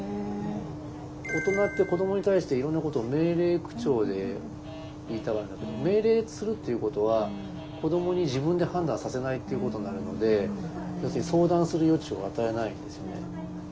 大人って子どもに対していろんなことを命令口調で言いたがるんだけど命令するっていうことは子どもに自分で判断させないっていうことになるので要するに相談する余地を与えないんですよね。